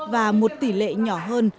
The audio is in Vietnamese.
và một tỷ lệ nhỏ hơn